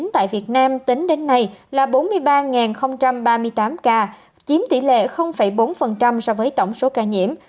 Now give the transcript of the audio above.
tại việt nam tính đến nay là bốn mươi ba ba mươi tám ca chiếm tỷ lệ bốn so với tổng số ca nhiễm